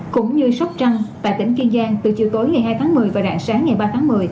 cũng như sóc trăng và tỉnh kiên giang từ chiều tối ngày hai tháng một mươi và rạng sáng ngày ba tháng một mươi